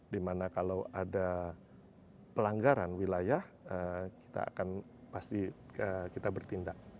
dimana kalau ada pelanggaran wilayah kita akan pasti kita bertindak